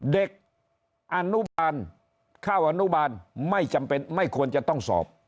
เด็กอนุบาลเข้าอนุบาลไม่จำเป็นไม่ควรจะต้องสอบ